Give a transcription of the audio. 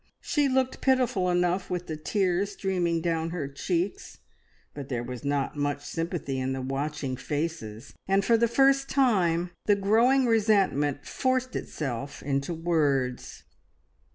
She looked pitiful enough with the tears streaming down her cheeks, but there was not much sympathy in the watching faces, and for the first time the growing resentment forced itself into words.